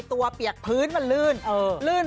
ตัวเปียกพื้นมันลื่น